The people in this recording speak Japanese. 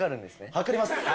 計ります。